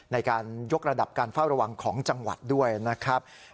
ในการยกระดับการเฝ้าระวังของจังหวัดด้วยนะครับ